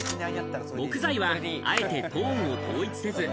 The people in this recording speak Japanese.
木材は、あえてトーンを統一せず。